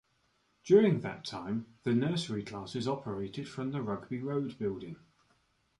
During that time the nursery classes operated from the Rugby Road building.